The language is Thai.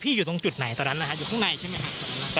พี่อยู่ตรงจุดไหนต่อนั้นน่ะล่ะฮะอยู่ข้างในใช่ไหมฮะ